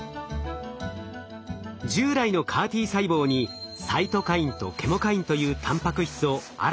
従来のＣＡＲ−Ｔ細胞にサイトカインとケモカインというたんぱく質を新たに搭載したもの。